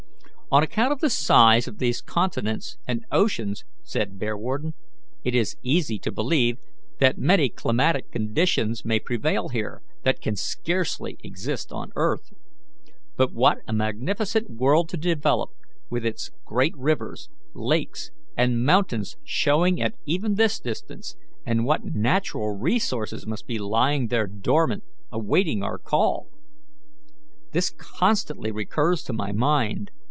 "On account of the size of these continents and oceans," said Bearwarden, "it is easy to believe that many climatic conditions may prevail here that can scarcely exist on earth. But what a magnificent world to develop, with its great rivers, lakes, and mountains showing at even this distance, and what natural resources must be lying there dormant, awaiting our call! This constantly recurs to my mind.